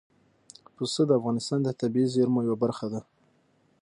پسه د افغانستان د طبیعي زیرمو یوه برخه ده.